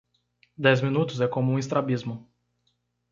Dez minutos é como um estrabismo